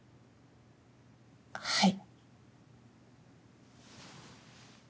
はい。